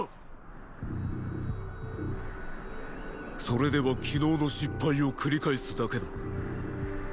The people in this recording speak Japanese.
それでは昨日の失敗を繰り返すだけだ。